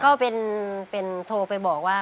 ก็เป็นโทรไปบอกว่า